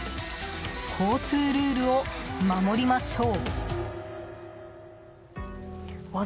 交通ルールを守りましょう。